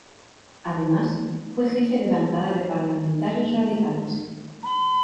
Además, fue jefe de Bancada de Parlamentarios Radicales.